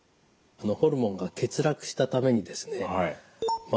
ホルモンが欠落したためにですね